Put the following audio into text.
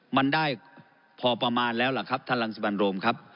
มันได้พอประมาณแล้วล่ะครับท่านรังสิมันโรมครับ